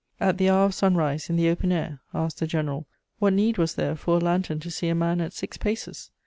"At the hour of sunrise, in the open air," asks the general, "what need was there for a lantern to see a man _at six paces!